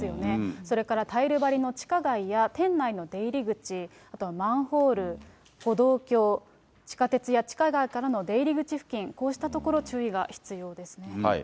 それからタイル張りの地下街や店内の出入り口、あとはマンホール、歩道橋、地下鉄や地下街からの出入り口付近、こうした所、注意が必要ですね。